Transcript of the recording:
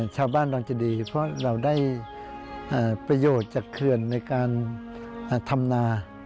ชาวบ้านดวงจดีเพราะเราได้ประโยชน์จากเขื่อนในการธำนา